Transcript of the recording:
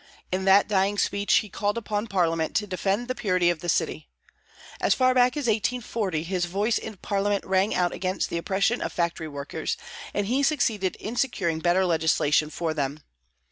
In that dying speech he called upon Parliament to defend the purity of the city. As far back as 1840, his voice in Parliament rang out against the oppression of factory workers, and he succeeded in securing better legislation for them.